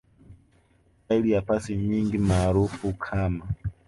Staili ya pasi nyingi maarufu kama